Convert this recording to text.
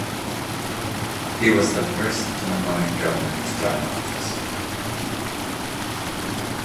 He was the first Illinois Governor to die in office.